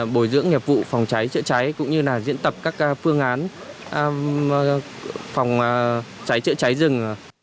bồi dưỡng nghiệp vụ phòng cháy cháy cháy cũng như diễn tập các phương án phòng cháy cháy cháy rừng